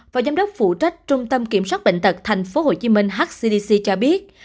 và giám đốc phụ trách trung tâm kiểm soát bệnh tật thành phố hồ chí minh hcdc cho biết